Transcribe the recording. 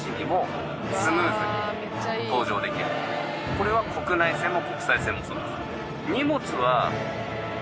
これは国内線も国際線もそうです。